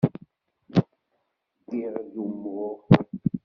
Giɣ-d umuɣ.